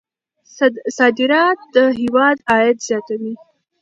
صادرات د هېواد عاید زیاتوي.